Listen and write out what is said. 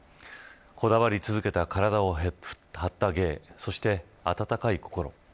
こだわり続けた体を張った芸そして、温かい心。